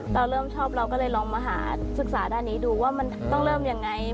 เราเริ่มชอบเราก็เลยลองมาหาศึกษาด้านนี้ดูว่ามันต้องเริ่มยังไง